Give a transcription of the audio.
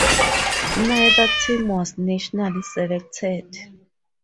Neither team was nationally selected.